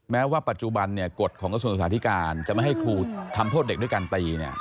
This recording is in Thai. แม้ว่าปัจจุบันเนี่ยกฎของกระทรวงสถานที่การจะไม่ให้ครูทำโทษเด็กด้วยกันตีเนี่ย